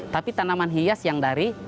tapi tanaman hias yang dari